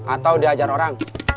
atau diajar orang